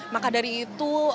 maka dari itu